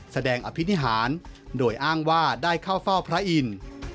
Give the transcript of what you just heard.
อภินิหารโดยอ้างว่าได้เข้าเฝ้าพระอินทร์